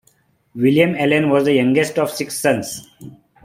William Allen was the youngest of six sons.